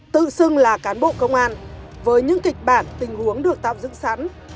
tự xưng là cán bộ công an với những kịch bản tình huống được tạo dựng sẵn